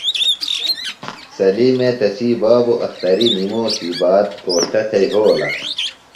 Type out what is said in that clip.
سلیمے تسی بابوۡ اختری نِموسی باد گھوݜٹہ تھےۡ یھولہ۔